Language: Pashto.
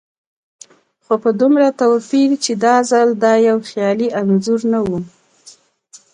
خو په دومره توپير چې دا ځل دا يو خيالي انځور نه و.